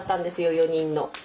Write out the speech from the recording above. ４人の。